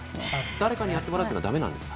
誰かにやってもらうのはだめなんですか？